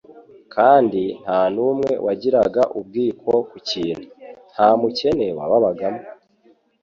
kandi nta n'umwe wagiraga ubwiko ku kintu.» «Nta mukene wababagamo.»